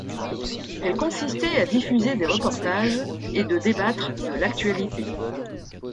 Elle consistait à diffuser des reportages et de débattre de l'actualité.